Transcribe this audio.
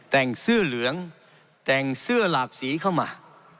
แต่งเสื้อเหลืองแต่งเสื้อหลากสีเข้ามา